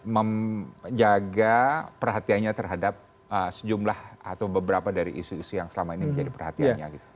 menjaga perhatiannya terhadap sejumlah atau beberapa dari isu isu yang selama ini menjadi perhatiannya gitu